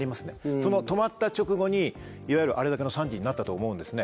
その止まった直後にいわゆるあれだけの惨事になったと思うんですね。